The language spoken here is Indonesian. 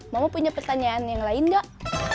mama punya pertanyaan yang lain gak